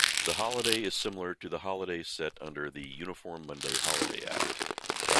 The holiday is similar to holidays set under the Uniform Monday Holiday Act.